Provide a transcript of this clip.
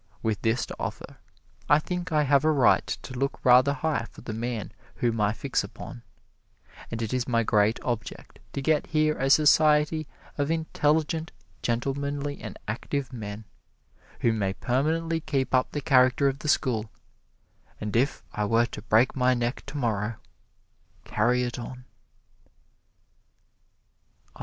With this to offer, I think I have a right to look rather high for the man whom I fix upon, and it is my great object to get here a society of intelligent, gentlemanly and active men, who may permanently keep up the character of the school, and if I were to break my neck tomorrow, carry it on.